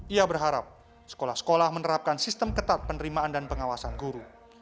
ia berharap sekolah sekolah menerapkan sistem ketat penerimaan dan pengawasan guru